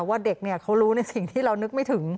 ว่าเด็กเขารู้ในสิ่งที่เรานึกไม่ถึง